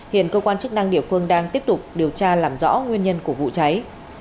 hiện cơ quan chức năng địa phương đang tiếp tục điều tra làm rõ nguyên nhân của vụ cháy